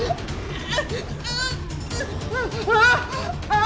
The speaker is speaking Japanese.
ああ！